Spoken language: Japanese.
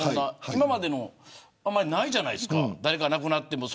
今まであまりないじゃないですか誰か亡くなっても。